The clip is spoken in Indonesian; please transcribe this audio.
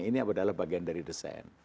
ini adalah bagian dari desain